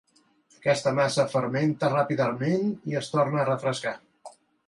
Aquesta massa fermenta ràpidament i es torna a refrescar.